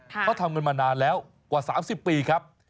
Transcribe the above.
เขาทำกันมานานแล้วกว่า๓๐ปีครับ